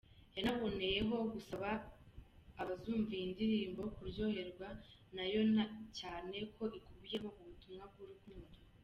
" Yanaboneyeho gusaba abazumva iyi ndirimbo kuryoherwa nayo na cyane ko ikubiyemo ubutumwa bw'urukundo.